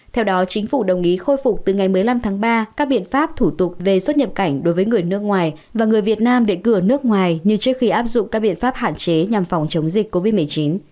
theo đó chính phủ đồng ý khôi phục từ ngày một mươi năm tháng ba các biện pháp thủ tục về xuất nhập cảnh đối với người nước ngoài và người việt nam định cư ở nước ngoài như trước khi áp dụng các biện pháp hạn chế nhằm phòng chống dịch covid một mươi chín